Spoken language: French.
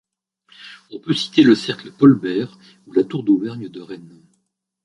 On peut citer le Cercle Paul Bert ou la Tour d'Auvergne de Rennes.